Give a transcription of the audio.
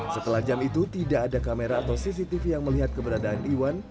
setelah jam itu tidak ada kamera atau cctv yang melihat keberadaan iwan